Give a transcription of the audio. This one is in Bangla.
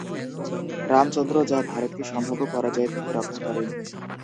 রামচন্দ্র যা ভারতকে সম্ভাব্য পরাজয় থেকে রক্ষা করে।